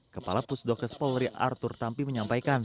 kepala pusdokes polri arthur tampi menyampaikan